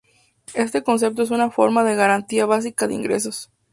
Este concepto es una forma de garantía básica de ingresos.